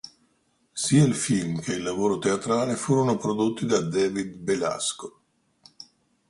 Sia il film che il lavoro teatrale furono prodotti da David Belasco.